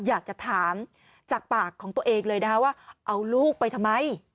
อยากจะถามจากปากของตัวเองเลยนะคะว่าเอาลูกไปทำไม